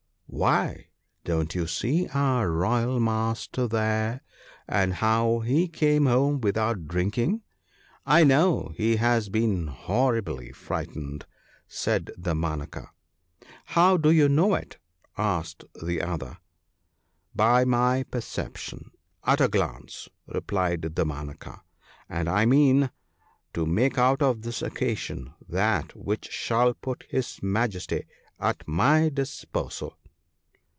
' Why ! don't you see our Royal Master there, and how he came home without drinking ? I know he has been horribly frightened,' said Damanaka. * How do you know it ?' asked the other. * By my perception — at a glance !' replied Damanaka ; 'and I mean to make out of this occasion that which shall put his Majesty at my disposal.'